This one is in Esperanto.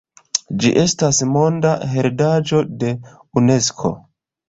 Ĝi estas monda heredaĵo de Unesko.